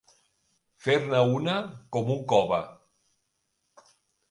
Fer-ne una com un cove.